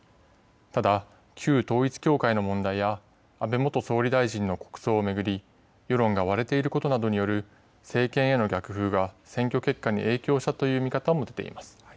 ただ、旧統一教会の問題や安倍元総理大臣の国葬を巡り世論が割れていることなどによる政権への逆風が選挙結果に影響したという見方も出ています。